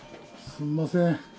すみません。